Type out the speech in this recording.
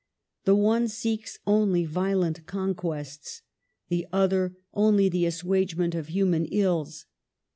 "The one seeks only violent conquests, the other only the assuagement of human ills.